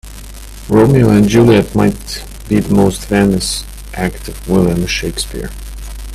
Romeo and Juliet might be the most famous act of William Shakespeare.